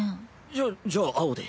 じゃじゃあ青で。